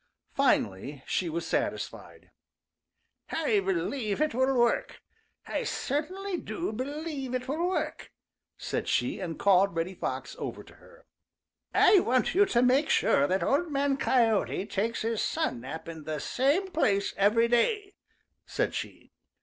Finally she was satisfied. "I believe it will work. I certainly do believe it will work," said she, and called Reddy Fox over to her. "I want you to make sure that Old Man Coyote takes his sun nap in the same place every day," said she.